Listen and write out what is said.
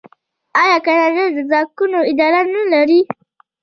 آیا کاناډا د ټاکنو اداره نلري؟